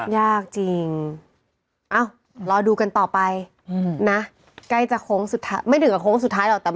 ยากจริงเอ้ารอดูกันต่อไปนะใกล้จะโค้งสุดท้ายไม่ถึงกับโค้งสุดท้ายหรอกแต่